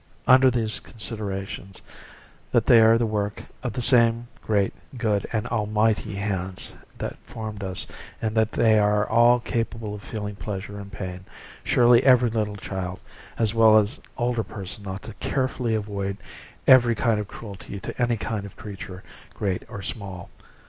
Under these considerations, that they are the work of the same great, good, and Almighty hand that formed us, and that they are all capable of feeling pleasure and pain, surely every little child, as well as older person, ought carefully to avoid every kind of cruelty to any kind of creature, great or small.